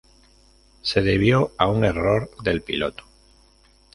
Se debió a un error del piloto.